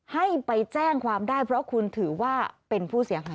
ให้ไปแจ้งความได้เพราะคุณถือว่าเป็นผู้เสียหาย